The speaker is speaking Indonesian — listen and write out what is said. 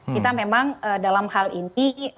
kita memang dalam hal ini